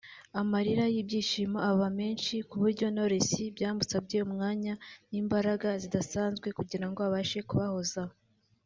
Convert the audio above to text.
amarira y’ibyishimo aba menshi kuburyo Knowless byamusabye umwanya n’imbaraga zidasanzwe kugirango abashe kubahoza